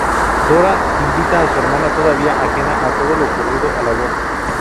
Dora invita a su hermana, todavía ajena a todo lo ocurrido, a la boda.